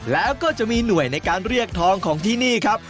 แล้วก็จะมีหน่วยในการเรียกทองของที่นี่ครับ